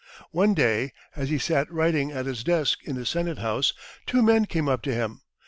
One day, as he sat writing at his desk in the Senate House, two men came up to him.